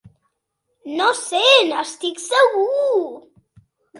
No ho sé, n'estic segur!